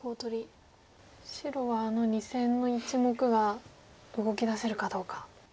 白はあの２線の１目が動き出せるかどうか。